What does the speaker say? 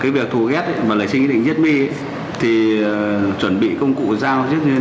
cái việc thù ghét và lấy sinh ý định giết my thì chuẩn bị công cụ dao trước như thế nào